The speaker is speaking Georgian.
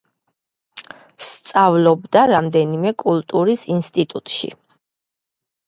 სწავლობდა რამდენიმე კულტურის ინსტიტუტში.